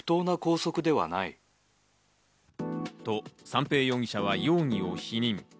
三瓶容疑者は容疑を否認。